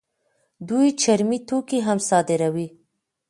دوی چرمي توکي هم صادروي.